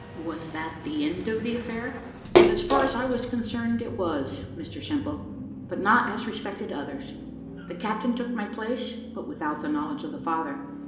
Was that the end of the affair." "As far as I was concerned, it was, Mr Simple; but not as respected others. The captain took my place, but without the knowledge of the father.